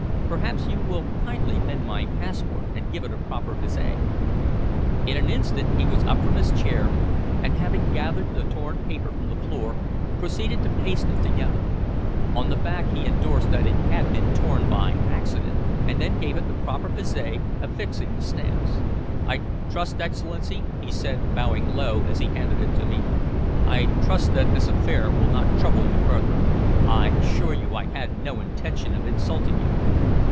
"Perhaps you will kindly mend my passport, and give it a proper visé." In an instant he was up from his chair, and having gathered the torn paper from the floor, proceeded to paste it together. On the back he endorsed that it had been torn by accident, and then gave it the proper visé, affixing the stamps. "I trust, Excellency," he said, bowing low as he handed it to me, "I trust that this affair will not trouble you further. I assure you I had no intention of insulting you."